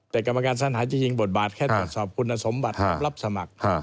แต่กรรมการสัญหาจริงบทบาทแค่ตรวจสอบคุณสมบัติของรับสมัคร